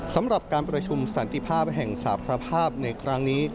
สำหรับการประชุมสันติภาพแห่งสาธารณภาพในครั้งนี้